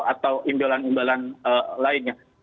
atau imbalan imbalan lainnya